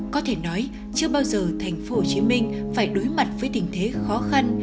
có thể nói chưa bao giờ thành phố hồ chí minh phải đối mặt với tình thế khó khăn